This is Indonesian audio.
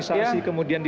saya lebih paham